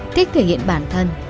thích thể hiện bản thân